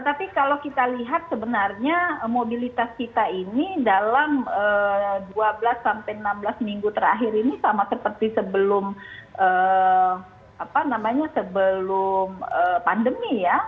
tapi kalau kita lihat sebenarnya mobilitas kita ini dalam dua belas sampai enam belas minggu terakhir ini sama seperti sebelum pandemi ya